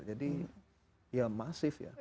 jadi ya masif ya